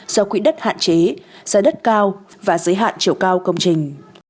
do quỹ đất hạn chế giá đất cao và giới hạn chiều cao công trình